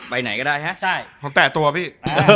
ไปไหนก็ได้ฮะต้องแต่ตัวพี่